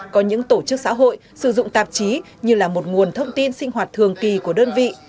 có những tổ chức xã hội sử dụng tạp chí như là một nguồn thông tin sinh hoạt thường kỳ của đơn vị